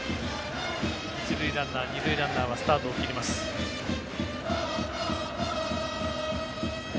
一塁ランナー二塁ランナーはスタートを切ります。